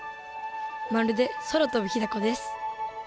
まるで空飛ぶひだこです。